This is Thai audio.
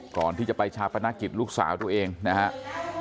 ก่อนที่จะไปชาปนกิจลูกสาวตัวเองนะครับ